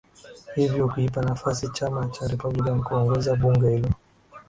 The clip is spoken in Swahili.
hivyo kuipa nafasi chama cha republican kuongoza bunge hilo